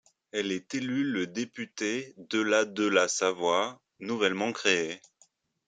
Elle est élue le député de la de la Savoie, nouvellement créée.